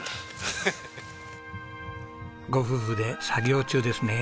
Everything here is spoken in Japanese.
ご夫婦で作業中ですね。